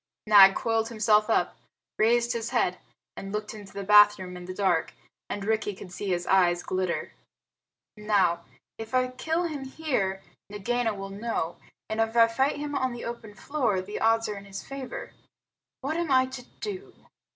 Nag coiled himself up, raised his head, and looked into the bathroom in the dark, and Rikki could see his eyes glitter. "Now, if I kill him here, Nagaina will know; and if I fight him on the open floor, the odds are in his favor. What am I to do?"